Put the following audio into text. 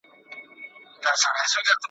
محتسبه غوږ دي کوڼ که نغمه نه یم نغمه زار یم ,